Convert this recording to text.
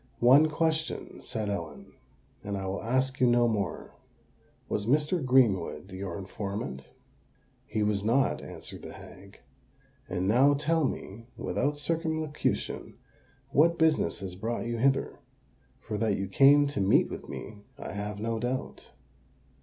"One question," said Ellen,—"and I will ask you no more. Was Mr. Greenwood your informant?" "He was not," answered the hag. "And now tell me, without circumlocution, what business has brought you hither—for that you came to meet with me I have no doubt."